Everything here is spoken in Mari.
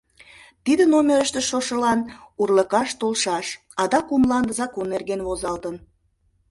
Тиде номерыште шошылан урлыкаш толшаш, адак у мланде закон нерген возалтын.